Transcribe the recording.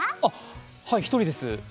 はい、１人です。